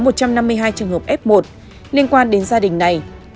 trường hợp f một liên quan đến gia đình này